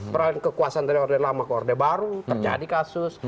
peralihan kekuasaan dari order lama ke orde baru terjadi kasus